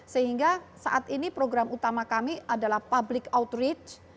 sehingga saat ini program utama kami adalah public outreach